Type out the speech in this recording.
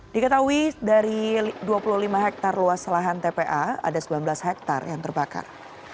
diketahui dari dua puluh lima hektare luas lahan tpa ada sembilan belas hektare yang terbakar